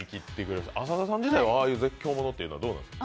浅田さん自体はああいう絶叫ものってどうなんですか。